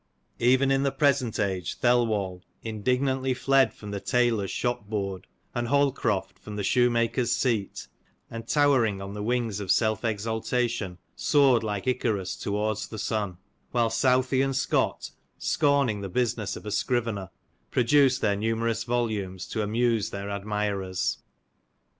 '' Even in the present age, Thelwall, indignantly fled from the tailor's shop board, and Holcroft from the shoemaker's seat, and towering on the wings of self exaltation soared like Icarus towards the sun ; while Southey and Scott scorning the business of a scrivener, produced their numerous volumes, to amuse their admirers.